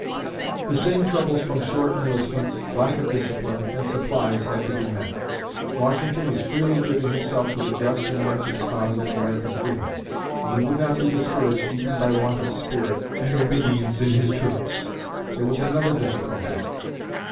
The same troubles from short enlistments, lack of discipline and supplies had to be met. Washington was freely giving himself to the just and righteous cause of American freedom, and he would not be discouraged even by want of spirit and obedience in his troops. There was another difficulty.